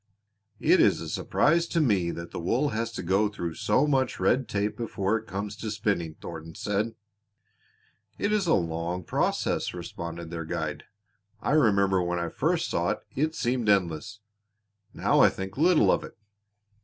"It is a surprise to me that the wool has to go through so much red tape before it comes to spinning," Thornton said. "It is a long process," responded their guide. "I remember when I first saw it, it seemed endless. Now I think little of it."